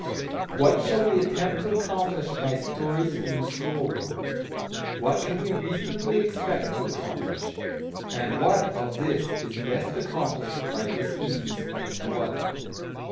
What shall we attempt to accomplish by stories in the schoolroom? What can we reasonably expect to accomplish? And what, of this, is best accomplished by this means and no other?